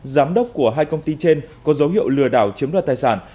giám đốc của hai công ty trên có dấu hiệu lừa đảo chiếm đoạt tài sản